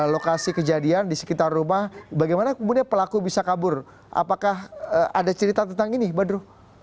lokasi kejadian di sekitar rumah bagaimana kemudian pelaku bisa kabur apakah ada cerita tentang ini badru